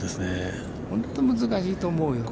本当に難しいと思うよ。